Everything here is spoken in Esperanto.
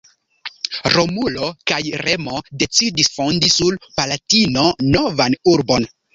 Romulo kaj Remo decidis fondi sur Palatino novan urbon.